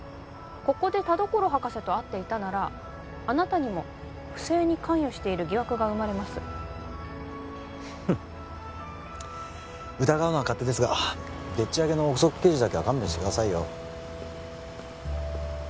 ここで田所博士と会っていたならあなたにも不正に関与している疑惑が生まれます疑うのは勝手ですがでっち上げの臆測記事だけは勘弁してくださいよ